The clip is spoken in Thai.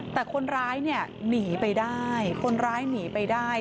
แต่คนร้ายเนี่ยหนีไปได้คนร้ายหนีไปได้